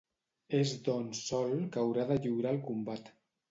És doncs sol que haurà de lliurar el combat.